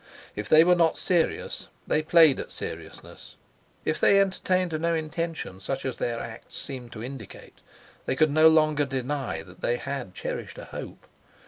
If they were not serious, they played at seriousness. If they entertained no intention such as their acts seemed to indicate, they could no longer deny that they had cherished a hope.